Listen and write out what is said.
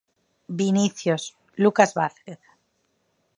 Vinicius, Lucas Vázquez.